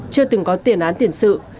chưa từng có tiền án tiền sự